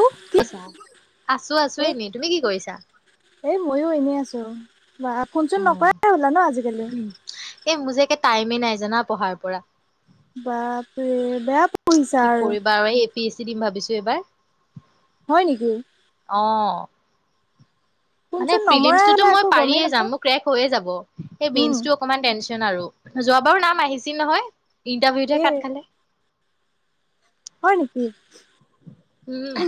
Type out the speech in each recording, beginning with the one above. এ ছা, আছো আছো এনে তুমি কি কৰিছা? এই মইয়ো এনেই আছোঁ, বা ফোন চোন অ', নকৰাই হ'লা ন আজিকালি। এই মোৰ যে একে টাইমে নাই জানা পঢ়াৰ পৰা। বাপ্ৰে বেয়া কি কৰিবা আৰু এই এ পি এছ চি দিম ভাবিছো এইবাৰ। হয় নেকি অ। ফোন মানে চোন নমৰাই প্ৰীলীমচটো তো হ'লা মই একো গমেই পাৰিয়ে যাম নাপাওঁ মোৰ ক্ৰেক হৈয়ে যাব। হেই উম মেনছ টো অকমান তেনচন। আৰু যোৱাবাৰো নাম আহিছিল নহয়, এ ইণ্টাৰভিউতহে কাত খালে। একে। উম।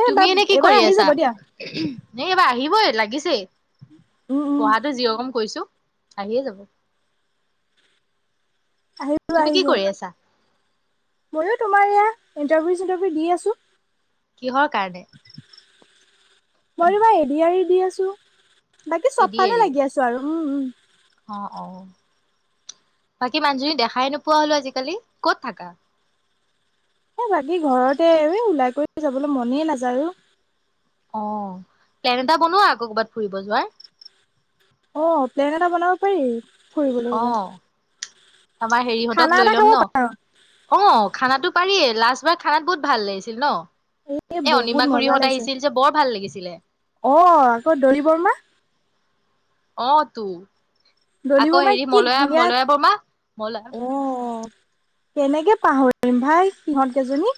এ তুমি বাপ এনে কি এবাৰ কৰি আহি আছা? যাব দিয়া নেই এইবাৰ আহিবই লাগিছেই উম উম পঢ়াটো যিৰকম কৰিছো। আহিয়ে যাব। আহিব তুমি কি আহিব। কৰি আছা ময়ো তোমাৰ এয়া ইণ্টাৰভিউ চিন্টাৰভিউ দি আছো। কিহৰ কাৰণে? মই ও এইবা এদি য়া ৰি দি আছো, বাকী চব এডি ফালে এৰি লাগি আছো আৰু। উম উম অ অ বাকী মানুহজনী দেখাই নোপোৱা হলো আজিকালি, ক'ত থাকা? এ বাকী ঘৰতে এ ওলাই কৰি যাবলৈ মনেই নাযায়ো ও। অ প্লেন এটা বনোৱা আকৌ কৰ'ৰবাত ফুৰিব যোৱাৰ। অ প্লেন এটা বনাব পাৰি। ফুৰিবলৈ অ ক'ৰবাত আমাৰ খানা হেৰিহঁতক লৈ এটা ল'ম খাব ন, পাৰো অ খানা টো, পাৰি লাষ্ট বাৰ খানাত বহুত ভাল লাগিছিল ন? এ বহুত অনিমা মজা খুৰীহঁত লাগিছে আহিছিল যে, বৰ ভাল লাগিছিলে। অ আকৌ দলি বৰ্মা অ তো। দলি আকৌ বৰ্মাই হেৰি কি মলয়া ধুনীয়া মলয়া বৰ্মা মলয়া। অ কেনেকে পাহৰিম ভাই সিহঁত কেইজনী।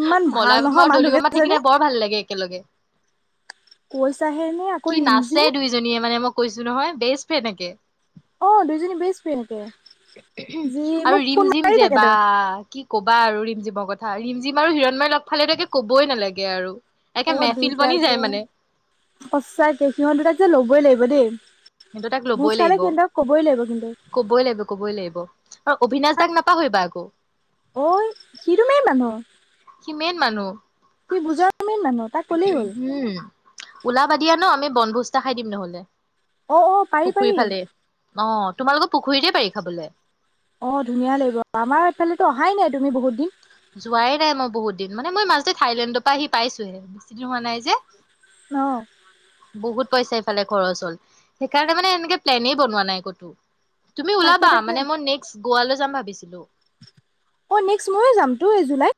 ইমান ভাল মলাই বমা নহয় আৰু মানুহ দলি বমা কেইজনী থাকিলে বৰ ভাল লাগে একেলগে। [unintelligible] আকৌ কি নাচে ৰিমজিম দুইজনীয়ে মানে মই কৈছো নহয় বেষ্টফেৰেন একে। অ দুইজনী বেষ্ট ফ্ৰেণ্ডকে যি মোক আৰু ৰিম ফোন জিম মাৰি যে বা থাকেতো কি, কবা আৰু ৰিম জিমৰ কথা ৰিম জিম আৰু হিৰণময় লগ পালে কে ক'বই নালাগে আৰু, একে অ মেফিল বনি যায় মানে। চোৱা সিহঁত দুটাক যে ল'বই লাগিব দেই। কিন্তু তাক ভোজ ল'বই খালে লাগিব সিহঁতক ক'বই লাগিব কিন্তু। ক'বই লাগিব ক'বই লাগিব আৰু অবিনাশ দাক নাপাহৰিবা আকৌ ঐ সি টো মেইন মানু্হ সি মেইন মানুহ সি বুজাৰ মেন মানুহ তাক ক'লেই হ'ল হম ওলাবা দিয়া ন আমি বনভোজ্তা খাই দিম নহ'লে অ অ পাৰি পাৰি পুখুৰীৰ ফালে অ তোমালোকৰ পুখুৰীতে পাৰি খাবলৈ অ ধুনীয়া লাগিব আমাৰ ইফালে টো অহাই নাই তুমি বহুত দিন যোৱাই নাই মই বহুত দিন মানে মই মাজতে থাইলেণ্ডৰ পৰা আহি পাইছোহে বেছিদিন হোৱা নাই যে আহ বহুত পইচা ইফালে খৰচ হ'ল সেইকাৰণে মানে এনেকে প্লেনেই বনোৱা নাই ক'তো তুমি তাকে ওলাবা তাকে মানে মই নেক্সট গোৱালৈ যাম ভাবিছিলো অ' নেক্সট ময়ে যামতো এই জুলাইত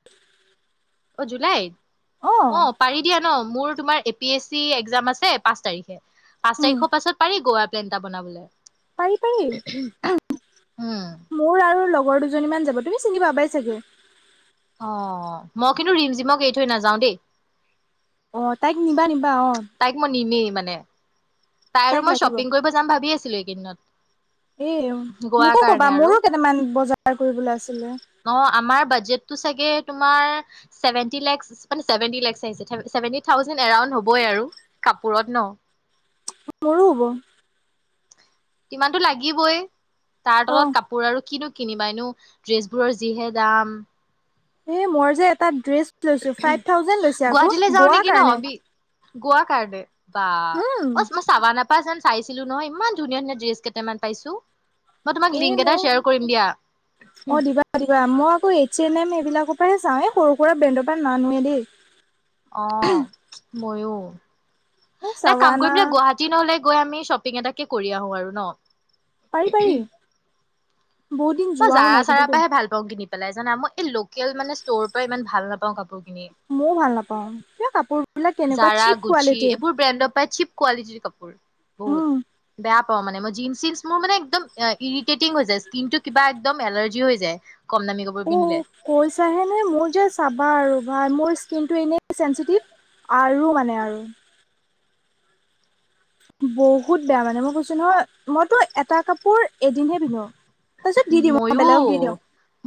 অ জুলাইত অ পাৰি দিয়া ন মোৰ তোমাৰ A P S C exam আছে পাঁচ তাৰিখে পাঁচ উম তাৰিখৰ পাছত পাৰি গুৱাত প্লেনএটা বনাবলে পাৰি পাৰি উম, মোৰ আৰু লগ লগৰ দুজনীমান যাব তুমি চিনি পাবাই চাগে অ মই কিন্তু ৰিম জিমক এৰি থৈ নাযাওঁ দেই অ তাইক নিবা নিবা অ তাইক মই নিমেই মানে তাই আৰু তাইক মই লাগিব শ্বপিং কৰিব যাম ভাবি আছিলো এইকেইদিনত এ গোৱাৰ মোকো কবা কাৰণে আৰু। মোৰো কেইটামান বজাৰ কৰিবলৈ আছিলে অ, আমাৰ বাজেটটো চাগে তোমাৰ চেভেনটি লেক্স চেভেনটি লেক্স আহিছে চেভেনটি থাউজেণ্ড এৰাউণ্ড হ'বই আৰু কাপোৰত ন মোৰো হ'ব কিমানতো লাগিবই তাৰ অ তলত কাপোৰ আৰু কিনো কিনিবাই নো ড্ৰেছবোৰৰ যিহে দাম এই মই যে এটা ড্ৰেছ লৈছো ফাইভ থাউজেণ্ড লৈছে আকৌ গোৱাৰ কাৰণে গোৱা কাৰণে উম বাহ মই ছাভানা পা পা চান চাইছিলো নহয় ইমান ধুনীয়া ধুনীয়া ড্ৰেছ কেইটামান পাইছো মই তোমাক এ লিংক এটা মোক শ্বেয়াৰ কৰিম দিয়া অ দিবা দিবা মই আকৌ এইচ এন এম এইবিলাক ৰ পৰা চাওঁ এ সৰু- সুৰা ব্ৰেণ্ডৰ পৰা নানোৱে দেই! অঁ মইয়ো এই নাই কাম চাৱানা কৰি পেলাই গুৱাহাটী নহলে। আমি শ্বপিং এটে কৰি আহো আৰু ন। পাৰি পাৰি বহুত দিন মই যোৱাও নাই জাৰা- কিন্তু চাৰা দেই পৰাহে ভাল পাওঁ কিনি, পেলাই জান মই এই লোকেল মানে ষ্ট'ৰ পৰা ইমান ভাল নাপাওঁ কাপোৰ। কিনি। মইও ভাল নাপাওঁ কিবা কাপোৰবোৰ, জাৰা গুছি এইবোৰ ব্ৰেণ্ডৰ পৰায় চিপ কোৱালিটিৰ কাপোৰ বহুত উম বেয়া। জিনছ, চিনচ মোৰ মানে ইৰীতেটিং হৈ যায় স্কীন টো কিবা মানে এলাৰ্জি হৈ যায়। কম দামী কাপোৰ অঁ পিন্ধিলে কৈছাহে নে মোৰ যে চাবা আৰু। মোৰ স্কিনটো এনেই চেঞ্চিটিভ আৰু মানে আৰু বহুত বেয়া মানে মই কৈছো নহয় মইতো এটা কাপোৰ এদিনহে পিন্ধো তাৰপিছত দি দিওঁ মই ময়ো বেলেগক দি দিওঁ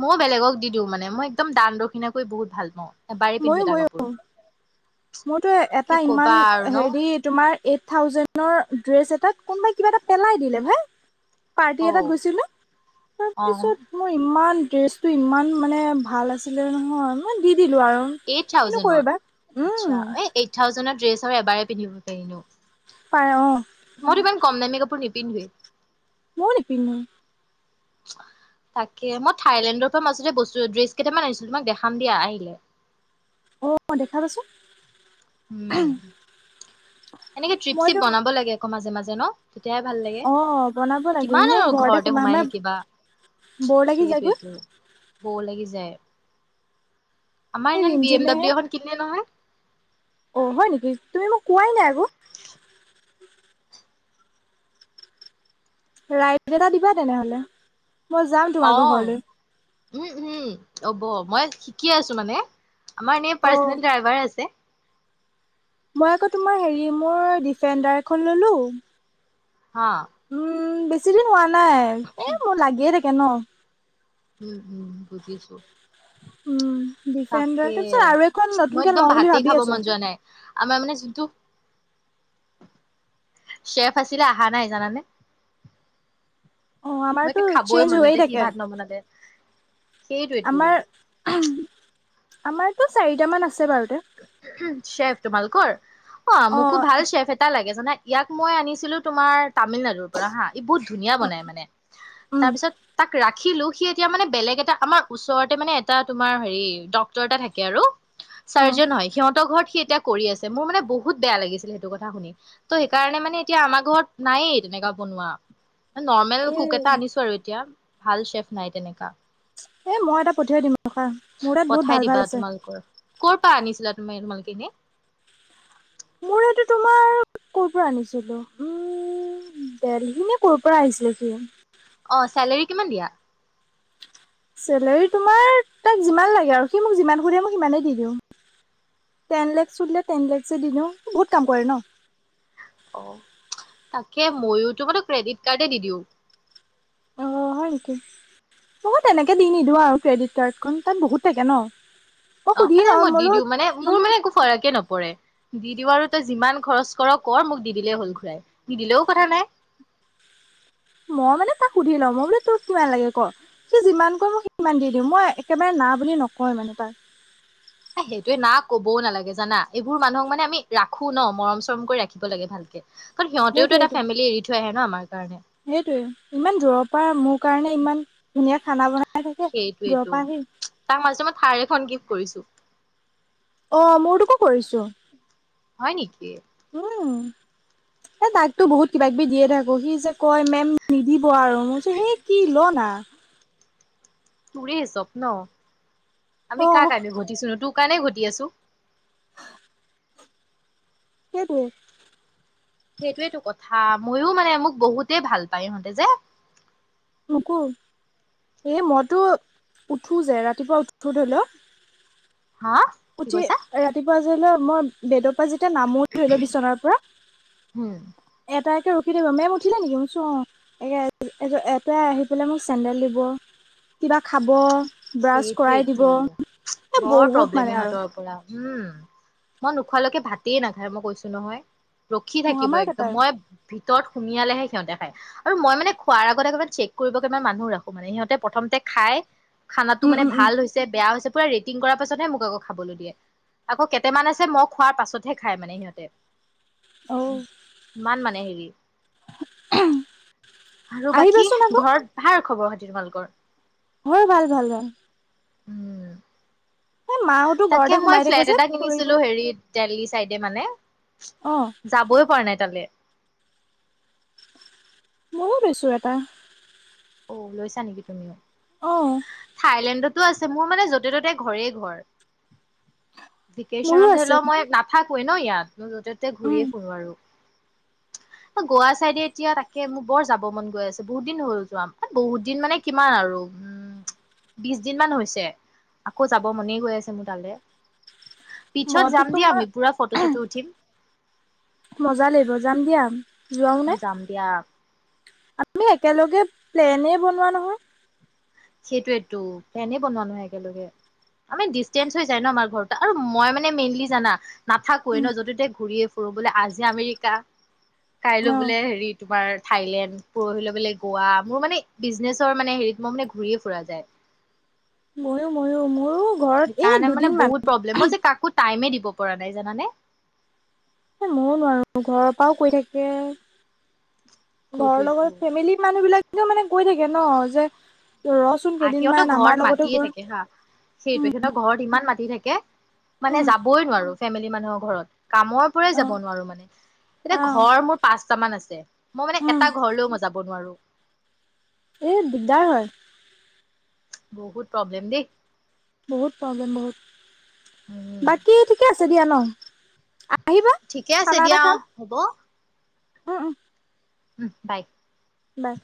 ময়োঁ বেলেগক দি দিওঁ মানে মই একদম দান দক্ষিণাকৈ বহুত ভাল পাওঁ এবাৰেই পিন্ধো এটা কাপোৰ মোৰ তো কি এটা ক'বা আৰু ন হেৰি ইমান এইট থাউজেণ্ডৰ ড্ৰেছ এটাত কোনোবাই কিবা এটা পেলাই দিলে ভাই পাৰ্টি এটা অ', গৈছিলো, অ', তাৰপিছত মোৰ ইমান ড্ৰেছটো ইমান মানে ভাল আছিলে নহয় মানে দি দিলো আৰু এইট কিনো কৰিবা উম থাউজেণ্ডৰ ড্ৰেছ আৰু এবাৰে পিন্ধিব পাৰি পাৰে আহঁ। কম নামি কাপোৰ নিপিন্ধোয়ে। ময়ো নিপিন্ধো। তাকে, মই থাইলেণ্ডৰ পৰা মাজতে বস্তু ড্ৰেছ কেইটামান আনিছিলো। তোমাক দেখাম দিয়া আহিলে। অঁ' দেখাবাচোন। উম। এনেকে ট্ৰিপ-চিপ বনাব লাগে আকৌ মাজে মাজে ন। তেতিয়াহে ভাল লাগে অঁ' বনাব লাগে কিমান এনেই আৰু ঘৰতে সোমাই থাকিবা সোমাই বৰ লাগি যায়গৈ। সেইটোৱেতো বৰ লাগি যায়। আমাৰ এই ইমান বি এম ডাব্লিউ এখন কিনে নহয়। অঁ' হয় নেকি? তুমি মোক কোৱাই নাই আকৌ। ৰাইদ এটা দিবা তেনেহলে মই যাম তোমাৰৰ অ', ঘৰলৈ। উম, উম, হ'ব মই শিকি আছো মানে। আমাৰ এ অ পাৰ্চনেল ড্ৰাইভাৰ আছে। মই আকৌ তোমাৰ হেৰি মোৰ ডিফেণ্ডাৰ এখন ললো হাঁ। উম' বেছি দিন হোৱা নাই এ মোৰ লাগিয়ে থাকে ন। উম, উম বুজিছো। উম দিপেনদ্বাৰা তাকে তাৰ পিছত আৰু এখন মই নতুনকে একদম লওঁ বুলি ভাতেই ভাবি খাব আছো। মন যোৱা নাই আমাৰ মানে যোনটো শ্বেফ আছিলে, অহা নাই জানানে। অ', আমাৰতো মই খাবই চেঞ্জ মনে হৈয়ে নাযায় থাকে। সি ভাত নবনালে। সেইটোৱেতো আমাৰ, আমাৰতো চাৰিটামান আছে বাৰুতে। উম, চ্বেফ তোমালোকৰ অঁ মোকো অ', ভাল চ্বেফ এটা লাগে জানা ইয়াক মই আনিছিলো, তোমাৰ তামিলনাডুৰ পৰা হাঁ, ই বহুত ধুনীয়া বনাই মানে উম, তাৰপিছত তাক ৰাখিলো। সি এতিয়া মানে বেলেগ এটা আমাৰ ওচৰতে মানে এটা তোমাৰ হেৰি ডক্তৰ এটা থাকে আৰু অ'। চাৰ্জন হয়। সিহঁৰ ঘৰত সেই এতিয়া কৰি আছে। মোৰ মানে বহুত বেয়া লাগিছিলে সেইটো কথা শুনি। ত' সেইকাৰণে মানে এতিয়া আমাৰ ঘৰত নায়েই তেনেকুৱা ন নৰ্মেল এ কুক এটা আনিছো আৰু এতিয়া। ভাল চেফ নাই তেনেকা। এ মই এটা পঠিয়াই দিম ৰখা মোৰ তাত বহুত পঠাই ভাল দিবা ভাল আছে। তোমালোকৰ ক'ৰ পৰা আনিছিলা তুমি তোমালখিনি। মোৰ এইটো তোমাৰ ক' পৰা আনিছিলো, উম ' দেলহি নে ক'ৰ পৰা আহিছিলে সি? অ চেলেৰী কিমান দিয়া? চেলেৰি তোমাৰ তাক যিমান লাগে আৰু, সি মোক যিমান খোজে মোক সিমানেই দি দিওঁ। টেন লেক্স বুলিলে টেন লেক্স দি দিওঁ, বহুত কাম কৰে ন। অ' তাকে মইোতো মানে ক্ৰেডিট কাৰ্ডে দিদিওঁ। নহয় তেনেকে দি নিদওঁ আও ক্ৰেডিট কাৰ্ডখন তাত বহুত থাকে ন। মই সুধি অ' নাই লম মই দি বোলো দিওঁ মানে মোৰ মানে একো ফৰকে নপৰে। দি দিওঁ আৰু তই যিমান খৰচ কৰ কৰ মোক দি দিলেই হল ঘুৰাই, নিদিলেও কথা নাই। [inaudible] মই মানে তাক সুধি লওঁ। মই বোলে তোক কিমান লাগে ক? সি যিমান কয় মোক সিমান দি দিও। মই একেবাৰে না বুলি নকয় মানে তাক। সেইটোৱে না কবও নালাগে জানা, এইবোৰ মানুহক মানে আমি ৰাখো ন মৰম চৰম কৰি ৰাখিব লাগে ভালকে। কাৰণ সিহঁতেওটো এটা ফেমিলি এৰি থৈ আহে ন, আমাৰ কাৰণে। সেইটোয়ে ইমান দূৰৰ পৰা মোৰ কাৰণে ইমান ধুনীয়া খানা বনাই থাকে দূৰৰ সেইটোৱেটো পৰা আহি তাক মাজতে মই থাৰ্ এখন গিফ্ট কৰিছো। অ'মোৰ তোকো কৰিছো। হয় নেকি? উম এ তাকতো বহুত কিবাকিবি দিয়ে থাকো। সি যে কয় মেম দিব আৰু মই সেই কি ল না। তোৰে চব ন অ আমি কাৰ কাৰণে ঘটিছো নো তোৰ কাৰণে ঘটি আছো। [inaudible] সেইটোৱেই। সেইটোৱেটো কথা। ময়ো মানে মোক বহুতেই ভাল পায় ইহঁতে যে। মোকো। এ মইতো উঠো যে ৰাতিপুৱা উঠো ধৰি লওঁ হা কি উঠি কৈছা? ৰাতিপুৱা ধৰিল মই বেদপা যেতিয়া নামো ধৰি লোৱা বিচনাৰ পৰা উম এটাই টো উঠি দিব মেম উঠিলে নেকি? মোৰ চে এটোৱে আহি পেলাই মোক চেডেল দিব কিবা খাব ব্ৰাছ কৰাই দিব সেইটোৱেটো। এ বহুত [unintelligible] মানে আৰু পৰা উম মই নোখোৱালৈকে ভাতেই নাখায় মই কৈছো নহয়। ৰখি অ থাকিব আমাৰ একদম কেইটাই মই ভিতৰত সুমিয়ালেহে সিহঁতে খায়। আৰু মই মানে খোৱাৰ আগতে অকমান চেক কৰিব কাৰনে মানুহ ৰাখো মানে। সিহঁতে প্ৰথমতে খাই খানাটো উম মানে উম উম ভাল হৈছে বেয়া হৈছে পুৰা ৰেটিং কৰাৰ পাছতহে মোক আকৌ খাবলে দিয়ে। আকৌ কেইটামান আছে মই খোৱাৰ পাছতহে খাই মানে সিহঁতে উ অ ইমান মানে হেৰি। [unintelligible] আৰু বাকী আহিবাচোন আকৌ ঘৰত ভাৰ খবৰ খাতি তোমালোকৰ? হয় ভাল ভাল ভাল। [inaudible] এই মাহতো তাকে ঘৰতে মই সোমাই থাকে ফ্লেট যে এটা ফুৰিব কিনিছিলো হেৰিত দেল্হী চাইডে মানে, অ যাবই পৰা নাই তালে। ময়ো লৈছোঁ এটা। অ লৈছা নেকি তুমিও? অহ। থাইলেণ্ডতো আছে মোৰ মানে য'তে ত'তে ঘৰে ঘৰ। মোৰো ভকেচনত ধৰি আছে লও মই নাথাকো কোৱে ন ইয়াত। মই য'তে ততে উম ঘূৰিয়ে ফুুৰো আৰু। গোৱা চাইডে এতিয়া তাকে মোৰ বৰ যাব মন গৈ আছে বহুত দিন হ'ল যাম বহুত দিন মানে কিমান আৰু বিশ দিনমানান হৈছে, আকৌ যাব মনে গৈ আছে মোৰ তালে। পিছত মইতো যাম দিয়া তোমাৰ আমি পুৰা ফটো চটো উঠিম। মজা লাগিব যাম দিয়া যোৱাও অ নাই যাম দিয়া আমি একেলগে প্লেনে বনোৱা নহয় সেইটোৱেটো প্লেনে বনোৱা নহয় একেলগে আমি ডিচেঞ্চ হৈ যায় ন আমাৰ ঘৰত আৰু মই মানে মেইনলি জানা নাথাকোৱে ন উম যতে ততে ঘূৰি এ ফুৰো বোলে আজি আমেৰিকা কাইলৈ অ বোলে হেৰি তোমাৰ থাইলেণ্ড পৰহিলে লৈ বলে গোৱা মোৰ মানে বিজনেচৰ মানে হেৰিত মই মানে ঘূৰি এ ফুৰা যায় ময়ো ময়ো মোৰ সেইকাৰণে মানে বহুত প্ৰব্লেম মই যে কাকো টাইমে দিব পৰা নাই জানানে এ ময়ো নোৱাৰো ঘৰৰ পৰাও কৈ থাকে ঘৰৰ সেইটোয়েটো। লগত ফেমিলি মানুহ বিলাকে মানে কৈ থাকে ন যে ৰচোন আহ সিহঁতৰ কেইদিনমান ঘৰত আমাৰ লগতে মাতিয়ে বল থাকে হা সেইটোৱে উম সিহঁতৰ ঘৰত ইমান মাতি থাকে মানে উম, যাবই নোৱাৰো ফেমিলি মানুহৰ ঘৰত কামৰ পৰাই অ যাব নোৱাৰো মানে এতিয়া অ ঘৰ মোৰ পাঁচটা মান আছে মই মানে উম এটা ঘৰলৈও মই যাব নোৱাৰো এ দিগদাৰ হয় বহুত প্ৰব্লেম দেই বহুত প্ৰব্লেম বহুত উম বাকী ঠিকে আছে দিয়া ন আ ঠিকে আছে দিয়া অঁহ হ'ব উম উম উম বাই বাই